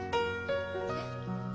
えっ？